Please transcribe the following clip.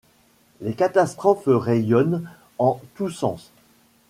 Les catastrophes rayonnent en tous sens.